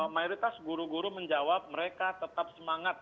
mayoritas guru guru menjawab mereka tetap semangat